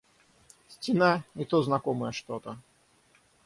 Стена — и то знакомая что-то.